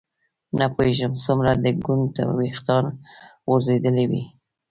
نه پوهېږم څومره د ګونډو ویښتان غورځېدلي وي.